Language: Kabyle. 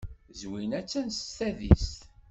Zwina attan s tadist.